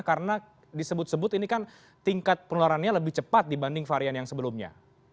karena disebut sebut ini kan tingkat penularannya lebih cepat dibanding varian yang sebelumnya